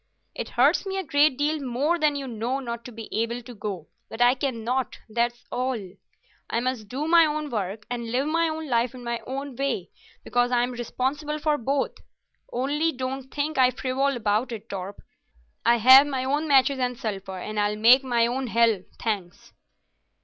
It hurts me a great deal more than you know not to be able to go, but I cannot, that's all. I must do my own work and live my own life in my own way, because I'm responsible for both. Only don't think I frivol about it, Torp. I have my own matches and sulphur, and I'll make my own hell, thanks."